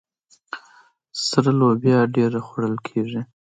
سره لوبیا ډیره خوړل کیږي.